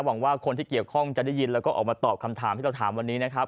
หวังว่าคนที่เกี่ยวข้องจะได้ยินแล้วก็ออกมาตอบคำถามที่เราถามวันนี้นะครับ